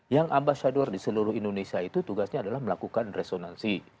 yang ambas syadur di seluruh indonesia itu tugasnya adalah melakukan resonansi